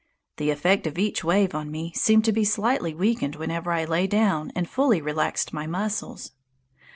The effect of each wave on me seemed to be slightly weakened whenever I lay down and fully relaxed my muscles.